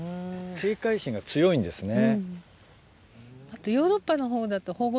警戒心が強いんですね。